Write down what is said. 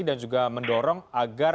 dan juga mendorong agar